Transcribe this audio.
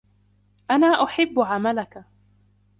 أنا أُحب عملك.